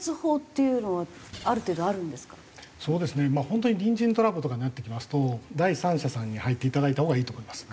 本当に隣人トラブルとかになってきますと第三者さんに入っていただいたほうがいいと思います。